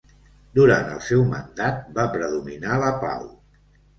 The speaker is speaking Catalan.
Durant el seu mandat va predominar la pau.